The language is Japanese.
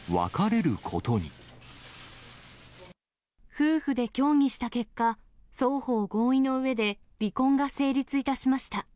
夫婦で協議した結果、双方合意のうえで、離婚が成立いたしました。